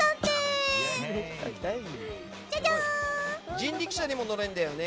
人力車にも乗れるんだよね。